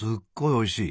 おいしい。